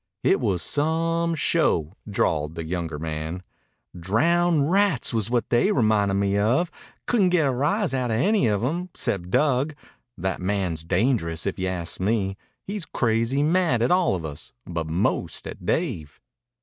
"It was some show," drawled the younger man. "Drowned rats was what they reminded me of. Couldn't get a rise out of any of 'em except Dug. That man's dangerous, if you ask me. He's crazy mad at all of us, but most at Dave."